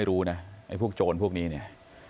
ก็ไม่รู้นะพวกโจรพวกนี้เนี่ย